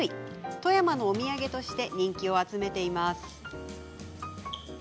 富山のお土産として人気を集めています。